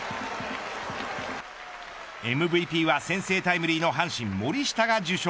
ＭＶＰは先制タイムリーの阪神、森下が受賞。